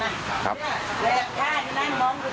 แต่ให้ผู้วิธีชาวบ้านที่กลับที่นี่มาอยู่